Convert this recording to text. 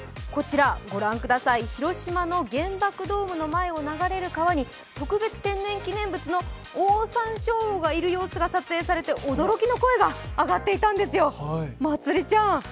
こちら御覧ください、広島の原爆ドームの前を流れる川に特別天然記念物のオオサンショウウオがいる様子が撮影されて驚きの声が上がっていたんですよ。